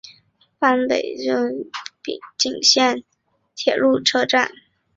坂北站筱之井线铁路车站。